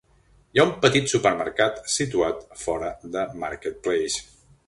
Hi ha un petit supermercat situat fora de Market Place.